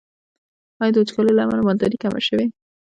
آیا د وچکالۍ له امله مالداري کمه شوې؟